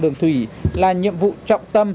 đường thủy là nhiệm vụ trọng tâm